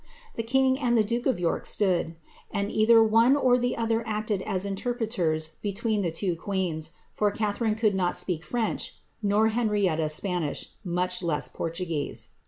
The king and the duke of York stood ; and either one or the other acted as interpreters between the two queens,' for Catharine could not speak French, nor Henrietta Spanish, much less Portugueie.